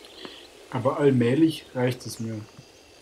Aber allmählich reicht es mir.